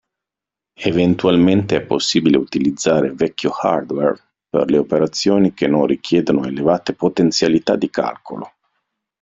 Eventualmente è possibile utilizzare vecchio hardware per le operazioni che non richiedono elevate potenzialità di calcolo.